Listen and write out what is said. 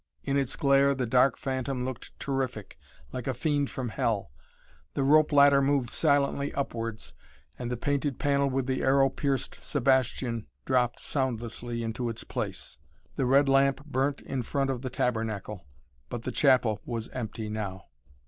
In its glare the dark phantom looked terrific, like a fiend from Hell. The rope ladder moved silently upwards, and the painted panel with the arrow pierced Sebastian dropped soundlessly into its place. The red lamp burnt in front of the tabernacle. But the chapel was empty now.